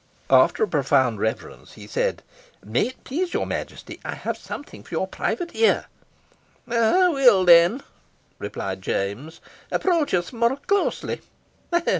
After a profound reverence, he said, "May it please your Majesty, I have something for your private ear." "Aweel, then," replied James, "approach us mair closely.